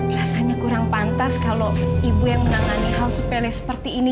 biasanya kurang pantas kalau ibu yang menangani hal sepele seperti ini